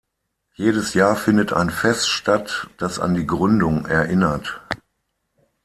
Jedes Jahr findet ein Fest statt, das an die Gründung erinnert.